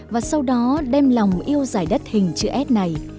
và sau đó đem lòng yêu giải đất hình chữ s này